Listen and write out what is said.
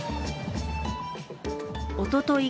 おととい